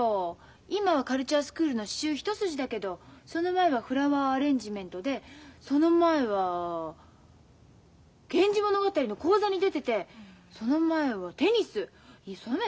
今はカルチャースクールの刺繍一筋だけどその前はフラワーアレンジメントでその前は「源氏物語」の講座に出ててその前はテニスその前鎌倉彫だよ？